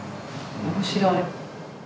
面白い。